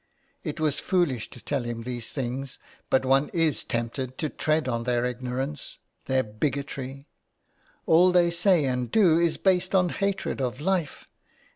It was foolish to tell him these things, but one IS tempted to tread on their ignorance, their bigotry ; all they say and do is based on hatred of life.